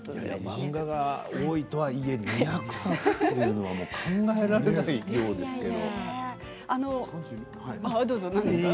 漫画が多いとはいえ２００冊というのはすごい量ですけれど。